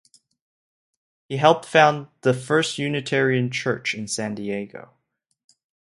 He helped found the first Unitarian church in San Diego.